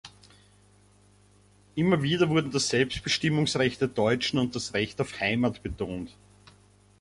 Immer wieder wurden das Selbstbestimmungsrecht der Deutschen und das Recht auf Heimat betont.